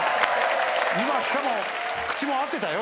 今しかも口も合ってたよ。